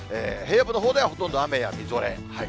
平野部のほうではほとんど雨やみぞれ。